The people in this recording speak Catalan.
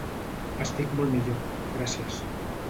Estic molt millor, gràcies.